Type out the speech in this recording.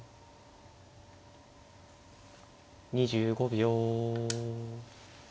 ２５秒。